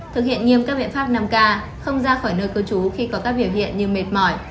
thực hiện nghiêm các biện pháp năm k không ra khỏi nơi cư trú khi có các biểu hiện như mệt mỏi